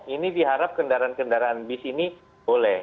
ini diharap kendaraan kendaraan bis ini boleh